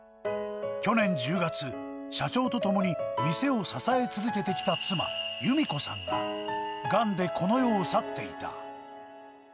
去年１０月、社長と共に店を支え続けてきた妻、由美子さんが、がんでこの世を去っていた。